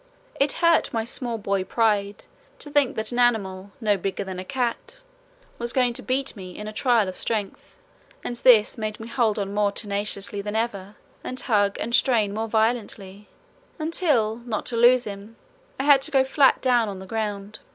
It hurt my small boy pride to think that an animal no bigger than a cat was going to beat me in a trial of strength, and this made me hold on more tenaciously than ever and tug and strain more violently, until not to lose him I had to go flat down on the ground.